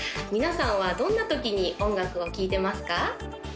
皆さんはどんなときに音楽を聴いてますか？